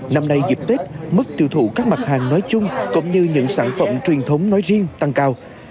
năm nay dịp tết mức tiêu thụ các mặt hàng nói chung cũng như những sản phẩm truyền thống nói riêng tăng cao